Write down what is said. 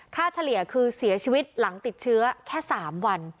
เฉลี่ยคือเสียชีวิตหลังติดเชื้อแค่๓วัน